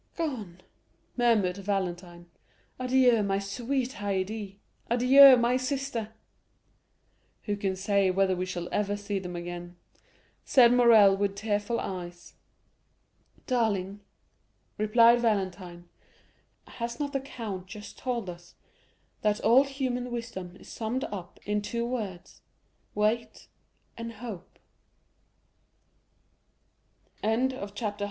"Gone," murmured Valentine; "adieu, my sweet Haydée—adieu, my sister!" "Who can say whether we shall ever see them again?" said Morrel with tearful eyes. "Darling," replied Valentine, "has not the count just told us that all human wisdom is summed up in two words: "'Wait and hope (Fac et spera)!